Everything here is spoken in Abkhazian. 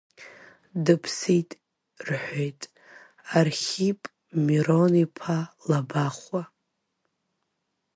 Дыԥсит, рҳәеит, Архип Мирон-иԥа Лабахәуа.